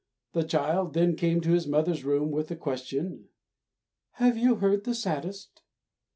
The child then came to his mother's room with the question: "Have you heard the saddest?"